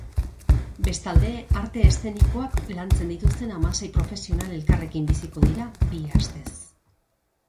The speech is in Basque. Bestalde, arte eszenikoak lantzen dituzten hamasei profesional elkarrekin biziko dira bi astez.